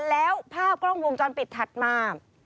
แล้วภาพกล้องวงจรปิดถัดมา